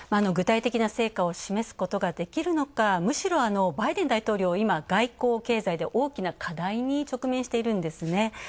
具体的な成果を示すことができるのか、むしろ、バイデン大統領、今、外交・経済で大きな課題に直面しているんですね。